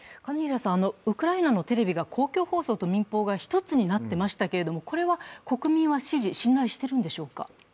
ウクライナのテレビが公共放送と民放が１つになっていましたがこれは国民は支持・信頼してるんでしょうか？